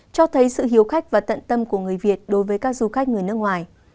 cho thấy sự hiếu khách và tận tâm của người việt đối với các du khách người nước ngoài